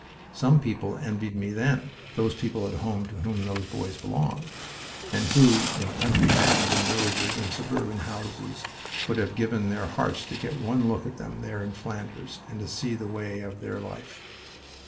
Some people envied me then those people at home to whom those boys belonged, and who in country towns and villages and suburban houses would have given their hearts to get one look at them there in Flanders and to see the way of their life...